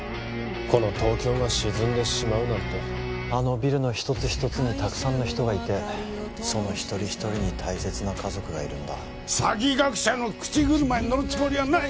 この東京が沈んでしまうなんてあのビルの一つ一つにたくさんの人がいてその一人一人に大切な家族がいるんだ詐欺学者の口車に乗るつもりはない！